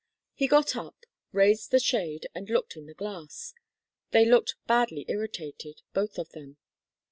He got up, raised the shade and looked in the glass. They looked badly irritated, both of them.